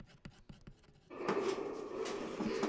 umekuandalia mengi na kama ilivyo ada tuanze na taifa ya habari